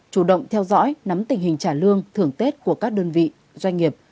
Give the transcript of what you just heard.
chủ động theo dõi nắm tình hình trả lương thưởng tết của các đơn vị doanh nghiệp